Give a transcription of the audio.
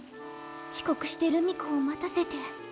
ちこくして留美子を待たせて。